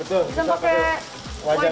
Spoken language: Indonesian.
betul bisa pakai wajan